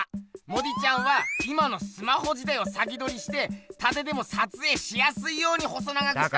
モディちゃんは今のスマホ時代を先どりしてたてでもさつえいしやすいように細長くした。